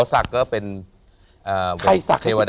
อ๋อสักก็เป็นเทวดาประจำบนเกิด